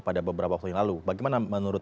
pada beberapa waktu yang lalu bagaimana menurut